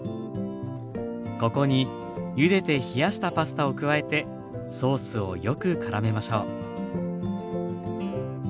ここにゆでて冷やしたパスタを加えてソースをよくからめましょう。